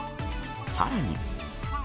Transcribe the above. さらに。